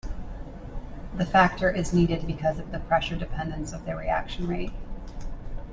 The factor is needed because of the pressure dependence of the reaction rate.